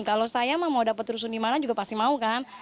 kalau saya mau dapat rusun di mana juga pasti mau kan